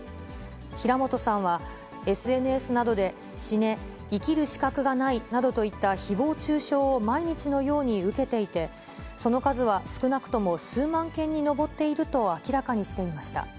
平本さんは、ＳＮＳなどで死ね、生きる資格がないなどといったひぼう中傷を毎日のように受けていて、その数は少なくとも数万件に上っていると明らかにしていました。